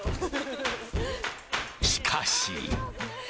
しかし。